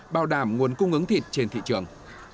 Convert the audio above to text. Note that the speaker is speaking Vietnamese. bảo đảm nguồn cung ứng thịt trên thị trường